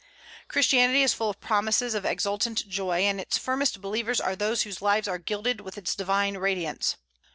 Christianity is full of promises of exultant joy, and its firmest believers are those whose lives are gilded with its divine radiance.